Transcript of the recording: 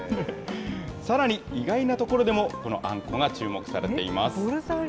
さらに、意外なところでも、このあんこが注目されています。